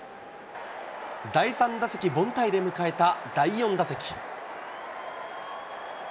第３打席凡退で迎えた第４打席。